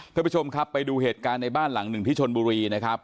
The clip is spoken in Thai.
ท่านผู้ชมครับไปดูเหตุการณ์ในบ้านหลังหนึ่งที่ชนบุรีนะครับ